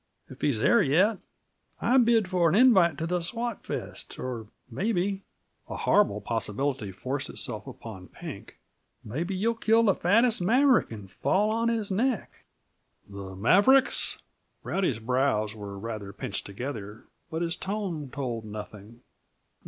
If he's there yet, I bid for an invite to the 'swatfest.' Or maybe" a horrible possibility forced itself upon Pink "maybe you'll kill the fattest maverick and fall on his neck " "The maverick's?" Rowdy's brows were rather pinched together, but his tone told nothing.